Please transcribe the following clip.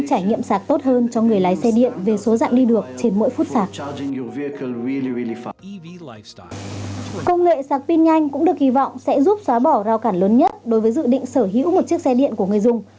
công nghệ sạc pin nhanh cũng được kỳ vọng sẽ giúp xóa bỏ rào cản lớn nhất đối với dự định sở hữu một chiếc xe điện của người dùng